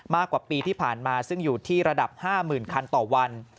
มากกว่าปีที่ผ่านมาซึ่งอยู่ที่ระดับ๕๐๐๐คันต่อวัน